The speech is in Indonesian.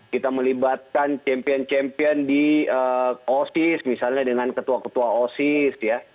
kita melibatkan champion champion di osis misalnya dengan ketua ketua osis ya